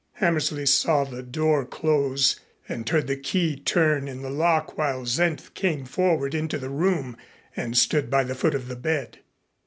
Hammersley saw the door close and heard the key turn in the lock while Senf came forward into the room and stood by the foot of the bed.